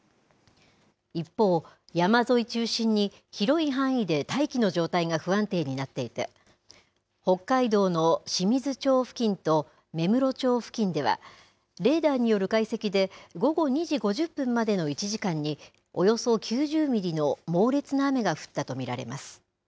一方、山沿い中心に広い範囲で大気の状態が不安定になっていて、北海道の清水町付近と芽室町付近では、レーダーによる解析で午後２時５０分までの１時間に、およそ９０ミリの猛烈な雨が降ったと見られます。